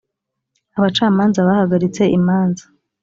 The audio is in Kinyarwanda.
abacamanza bahagaritse imanza.